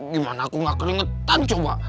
gimana aku gak keringetan coba